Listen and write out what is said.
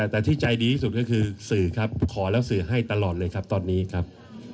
แต่ที่ใจดีที่สุดก็คือสื่อครับขอแล้วสื่อให้ตลอดเลยครับตอนนี้ครับ